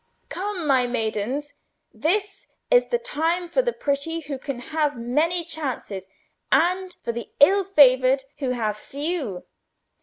"Come, my maidens! This is the time for the pretty who can have many chances, and for the ill favoured who have few.